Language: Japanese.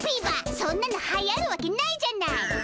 そんなのはやるわけないじゃないっ！